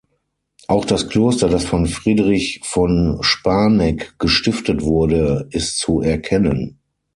Auch das Kloster, das von Friedrich von Sparneck gestiftet wurde, ist zu erkennen.